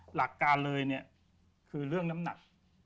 หลักการเลยเนี่ยคือเรื่องน้ำหนัก